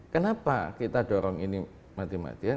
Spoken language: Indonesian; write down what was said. kenapa kita dorong ini mati matian